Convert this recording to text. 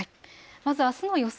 まずあすの予想